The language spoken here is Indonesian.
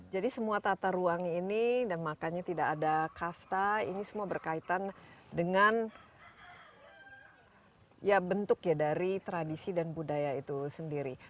jadi semua tata ruang ini dan makanya tidak ada kasta ini semua berkaitan dengan bentuk dari tradisi dan budaya itu sendiri